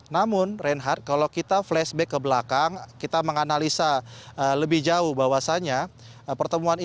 namun renhard kalau kita flashback ke belakang kita menganalisa lebih jauh bahwasannya